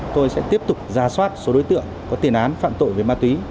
tôi sẽ tiếp tục giả soát số đối tượng có tiền án phạm tội với ma túy